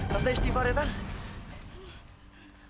tante istighfar ya tante